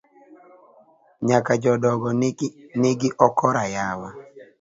Nyaka jodogo nigi okora yawa.